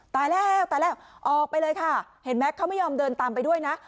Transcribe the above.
ตายแล้วตายแล้วออกไปเลยค่ะเห็นไหมเขาไม่ยอมเดินตามไปด้วยนะ